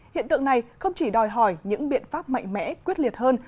hiện tượng này không chỉ đòi hỏi những biện pháp mạnh mẽ quyết liệt hơn